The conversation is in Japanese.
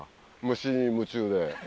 虫に夢中で。